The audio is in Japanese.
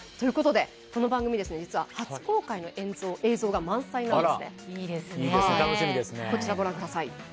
この番組実は初公開の映像が満載なんです。